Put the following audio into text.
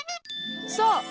そう！